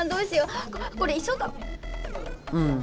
うん。